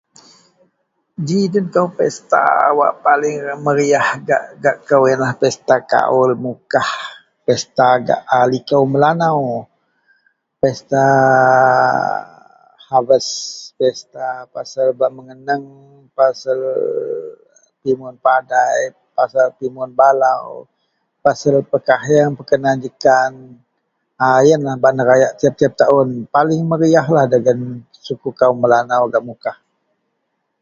ji den kou pasta wak paling mariah gak gak kou ienlah pasta kaul mukah, pasta gak a likou melanau pastaaa harvest pasta bak pasal bak megenang pasal pimun padai pasal pimun balau pasal pekahieng pekena jekan, a ienlah bak nerayak tiap-tiap taun, paling meriahlah dagen suku kaum melanau gak mukah